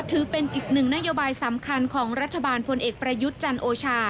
ถือเป็นอีกหนึ่งนโยบายสำคัญของรัฐบาลพลเอกประยุทธ์จันโอชา